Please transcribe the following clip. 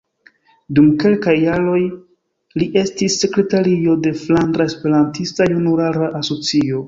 Dum kelkaj jaroj li estis sekretario de Flandra Esperantista Junulara Asocio.